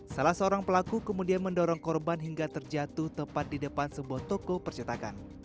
salah seorang pelaku kemudian mendorong korban hingga terjatuh tepat di depan sebuah toko percetakan